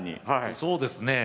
そうですねえ